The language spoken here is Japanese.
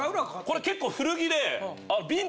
これ結構古着で。